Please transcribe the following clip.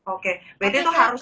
oke berarti itu harus